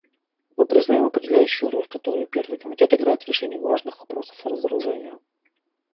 Мы признаем определяющую роль, которую Первый комитет играет в решении важных вопросов разоружения.